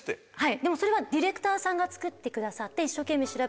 でもそれはディレクターさんが作ってくださって一生懸命。